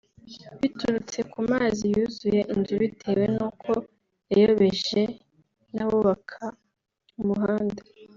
biturutse ku mazi yuzuye inzu bitewe n’uko yayobejwe n’abubaka umuhanda